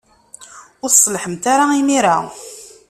Ur tsellḥemt ara imir-a.